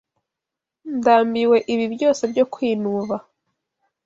Ndambiwe ibi byose byo kwinuba.